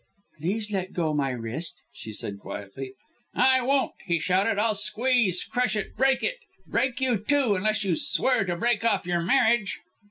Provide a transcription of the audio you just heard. "Please let go my wrist," she said quietly. "I won't!" he shouted. "I'll squeeze, crush it, break it! Break you, too, unless you swear to break off your marriage!"